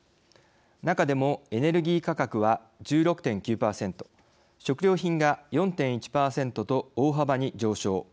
中でもエネルギー価格は１６．９％食料品が４．１％と大幅に上昇。